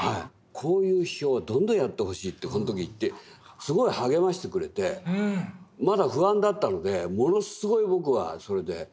こういう批評はどんどんやってほしいってその時言ってすごい励ましてくれてまだ不安だったのでものすごい僕はそれで励まされたんですよ。